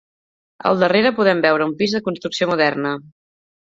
Al darrere podem veure un pis de construcció moderna.